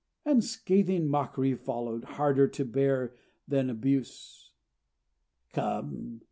And scathing mockery followed, harder to bear than abuse. "Come!